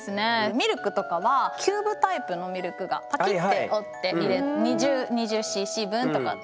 ミルクとかはキューブタイプのミルクがパキッて折って入れる２０ｃｃ分とかって。